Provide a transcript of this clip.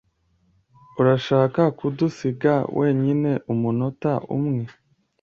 Urashaka kudusiga wenyine umunota umwe?